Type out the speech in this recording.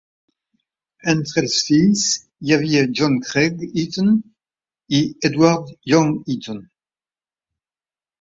Entre els fills hi havia John Craig Eaton i Edward Young Eaton.